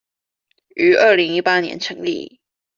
於二零一八年成立